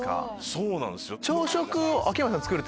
そうなんすよ。